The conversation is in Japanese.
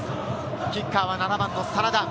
キッカーは７番の真田。